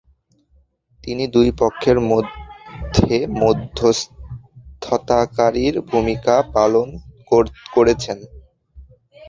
তিনি দুই পক্ষের মধ্যে মধ্যস্থতাকারীর ভূমিকা পালন করেছেন।